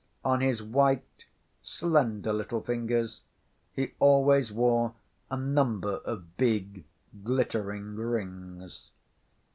On his white, slender, little fingers he always wore a number of big, glittering rings.